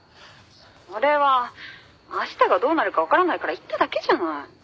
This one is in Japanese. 「それは明日がどうなるかわからないから言っただけじゃない」